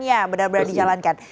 ya benar benar dijalankan